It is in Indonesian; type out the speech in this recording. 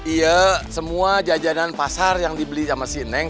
iya semua jajanan pasar yang dibeli sama si neng